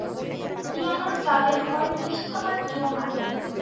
পিয়ানোর জ্বালায় ঘরে তিষ্ঠাবার যো নাই।